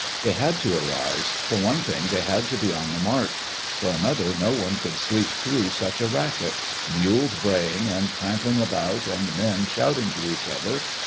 They had to arise. For one thing, they had to be on the march. For another, no one could sleep through such a racket, mules braying and trampling about and men shouting to each other.